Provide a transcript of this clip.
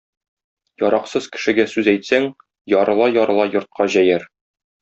Яраксыз кешегә сүз әйтсәң, ярыла-ярыла йортка җәяр.